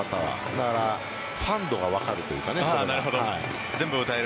だからファン度が分かるというか。